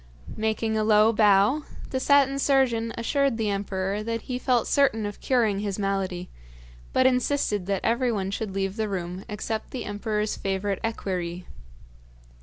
Making a low bow, the Satin Surgeon assured the emperor that he felt certain of curing his malady, but insisted that everyone should leave the room except the emperor's favourite equerry.